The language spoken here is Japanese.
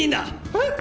えっ？